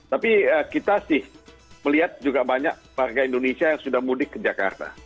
tapi kita sih melihat juga banyak warga indonesia yang sudah mudik ke jakarta